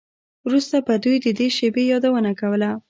وروسته به دوی د دې شیبې یادونه کوله